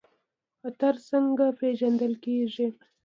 خطر څنګه پیژندل کیږي؟